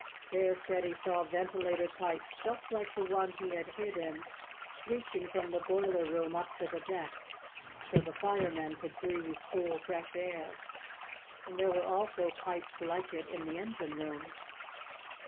There Freddie saw ventilator pipes, like the one he had hid in, reaching from the boiler room up to the deck, so the firemen could breathe cool, fresh air. And there were also pipes like it in the engine room.